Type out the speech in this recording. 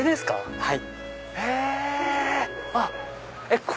はい。